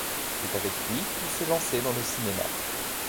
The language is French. C'est avec lui qu'elle s'est lancée dans le cinéma.